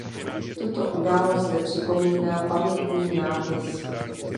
Tuto událost zde připomíná pamětní nápis.